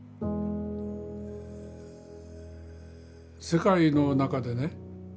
世界の中でね